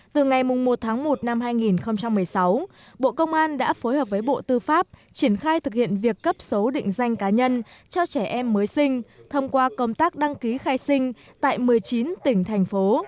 từ ngày một tháng một năm hai nghìn một mươi sáu bộ công an đã phối hợp với bộ tư pháp triển khai thực hiện việc cấp số định danh cá nhân cho trẻ em mới sinh thông qua công tác đăng ký khai sinh tại một mươi chín tỉnh thành phố